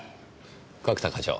角田課長